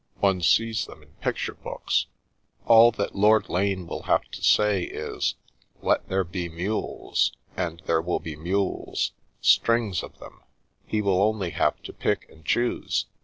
" One sees them in picture books. All 54 In Search of a Mule 55 that Lord Lane will have to say is, * Let there be mules/ and there will be mules — strings of them. He will only have to pick and choose.